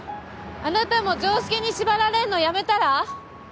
あなたも常識に縛られんのやめたら？